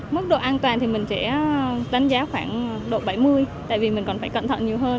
mức độ an toàn thì mình sẽ đánh giá khoảng độ bảy mươi tại vì mình còn phải cẩn thận nhiều hơn